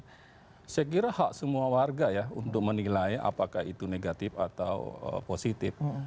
saya kira hak semua warga ya untuk menilai apakah itu negatif atau positif